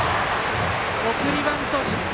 送りバント失敗。